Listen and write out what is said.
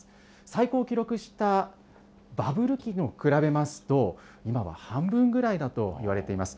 最高を記録したバブル期と比べますと、今は半分ぐらいだといわれています。